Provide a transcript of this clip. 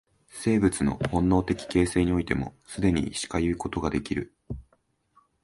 生物の本能的形成においても、既にしかいうことができる。